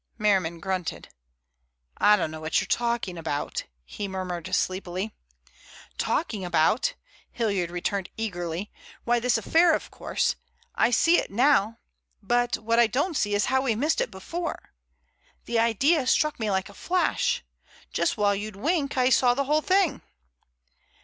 Merriman grunted. "I don't know what you're talking about," he murmured sleepily. "Talking about?" Hilliard returned eagerly. "Why, this affair, of course! I see it now, but what I don't see is how we missed it before. The idea struck me like a flash. Just while you'd wink I saw the whole thing!"